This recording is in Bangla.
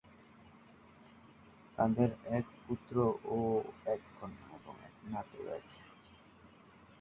তাঁদের এক পুত্র ও এক কন্যা এবং এক নাতি রয়েছে।